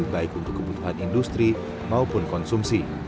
baik untuk kebutuhan industri maupun konsumsi